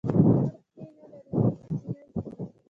مار پښې نلري او په سینه ځي